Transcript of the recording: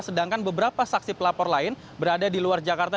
sedangkan beberapa saksi pelapor lain berada di luar jakarta